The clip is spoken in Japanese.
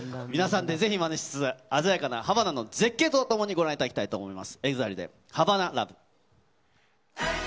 皆さんでぜひまねして、鮮やかなハバナの絶景とともにご覧いただきたいと思います。